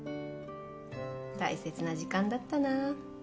大切な時間だったなあ